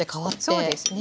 そうですね。